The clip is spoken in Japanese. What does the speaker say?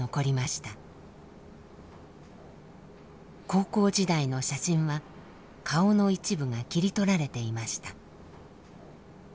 高校時代の写真は顔の一部が切り取られていました。